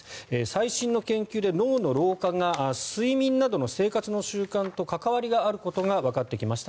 最新の研究で脳の老化が睡眠などの生活の習慣と関わりがあることがわかってきました。